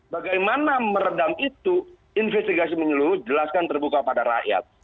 bagaimana meredam itu investigasi menyeluruh jelaskan terbuka pada rakyat